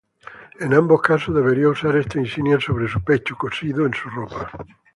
En ambos casos, debían usar esta insignia sobre su pecho, cosido en su ropa.